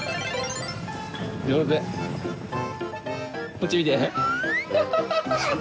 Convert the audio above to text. ・こっち見て。